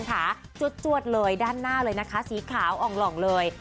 ขาจวดเลยด้านหน้าเลยนะคะสีขาวอ่องเลย